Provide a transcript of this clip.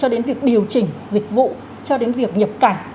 điều chỉnh dịch vụ cho đến việc nhập cảnh